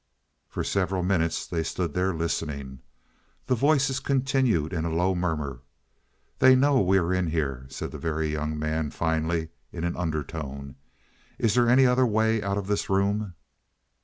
For several minutes they stood there listening. The voices continued in a low murmur. "They'll know we are in here," said the Very Young Man finally, in an undertone. "Is there any other way out of this room?"